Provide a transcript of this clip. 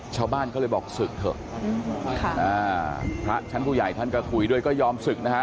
ชาวบ้านก็เลยบอกศึกเถอะพระชั้นผู้ใหญ่ท่านก็คุยด้วยก็ยอมศึกนะฮะ